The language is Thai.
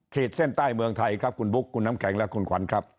เส้นใต้เมืองไทยครับคุณบุ๊คคุณน้ำแข็งและคุณขวัญครับ